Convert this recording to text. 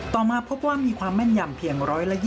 มาพบว่ามีความแม่นยำเพียง๑๒๐